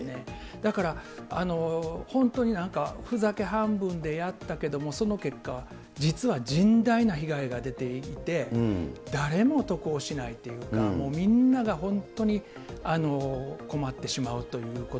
だから、本当になんか、ふざけ半分でやったけども、その結果、実は甚大な被害が出ていて、誰も得をしないというか、もうみんなが本当に困ってしまうということ。